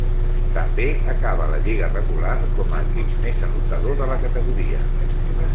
També acaba la lliga regular com a equip més anotador de la categoria.